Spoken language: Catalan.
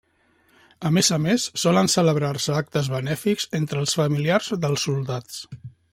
A més a més solen celebrar-se actes benèfics entre els familiars dels soldats.